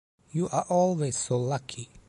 You are always so lucky.